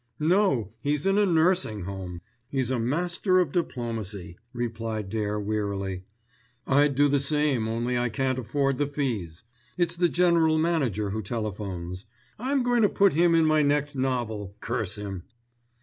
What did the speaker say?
"No; he's in a nursing home. He's a master of diplomacy," replied Dare wearily. "I'd do the same, only I can't afford the fees. It's the general manager who telephones. I'm going to put him in my next novel, curse him!"